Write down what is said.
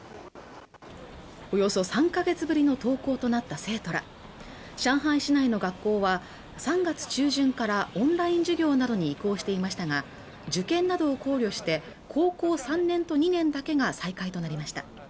およそ３か月ぶりの登校となった生徒ら上海市内の学校は３月中旬からオンライン授業などに移行していましたが受験などを考慮して高校３年と２年だけが再開となりました